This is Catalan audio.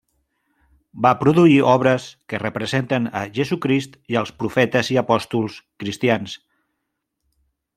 Va produir obres que representen a Jesucrist i els profetes i apòstols cristians.